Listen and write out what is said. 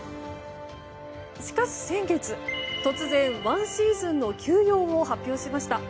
しかし先月、突然１シーズンの休養を発表しました。